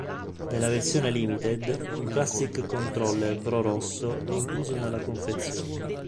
Nella versione limited, un Classic Controller Pro Rosso è incluso nella confezione.